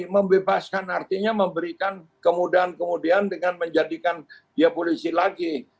membebaskan artinya memberikan kemudahan kemudahan dengan menjadikan dia polisi lagi